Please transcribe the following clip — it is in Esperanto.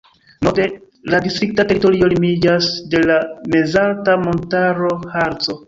Norde la distrikta teritorio limiĝas de la mezalta montaro Harco.